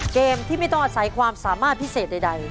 เกมที่ไม่ต้องอาศัยความสามารถพิเศษใด